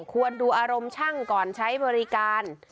ควรดูอารมณ์ช่างก่อนใช้บริการ